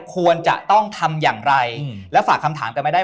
ควรจะต้องทำอย่างไรและฝากคำถามกันไม่ได้